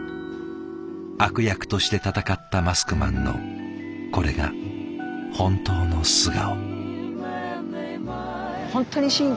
悪役として戦ったマスクマンのこれが本当の素顔。